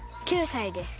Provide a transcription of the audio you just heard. ９歳です。